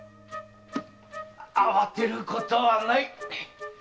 慌てることはない。